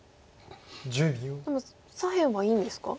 でも左辺はいいんですか？